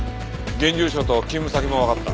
現住所と勤務先もわかった。